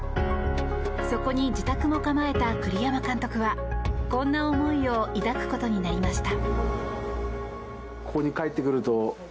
そこに自宅も構えた栗山監督はこんな思いを抱くことになりました。